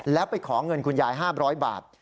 แล้วไปขอเงินคุณยาย๕๐๐บาท